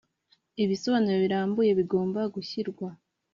Ibisobanuro birambuye bigomba gushyirwa